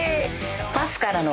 パスからの。